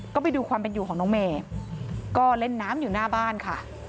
ก็ไปดูความเป็นอยู่ของน้องเมย์ก็เล่นน้ำอยู่หน้าบ้านค่ะ